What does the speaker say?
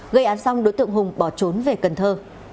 gây án xong đối tượng hùng bỏ trốn về cần thơ